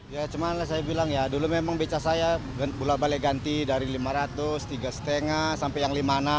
ya cuma saya bilang ya dulu memang beca saya bola bale ganti dari lima ratus tiga lima sampai yang lima puluh enam